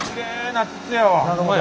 なるほど。